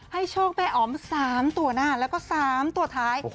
โชคแม่อ๋อม๓ตัวหน้าแล้วก็๓ตัวท้าย